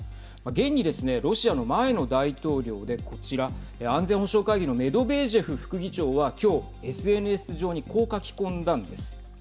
現にですねロシアの前の大統領で、こちら安全保障会議のメドベージェフ副議長は今日ＳＮＳ上にこう書き込んだんです。